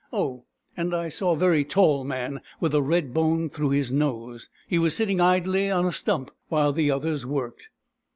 Oh, and I saw a very tall man, with a red bone through his nose. He was sitting idly on a stump while the others worked."